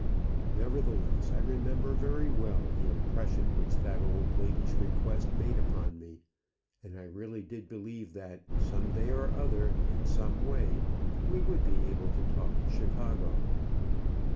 Nevertheless, I remember very well the impression which that old lady's request made upon me; and I really did believe that, some day or other, in some way, we would be able to talk to Chicago.